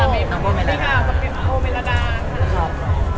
มันเกิดอะไรที่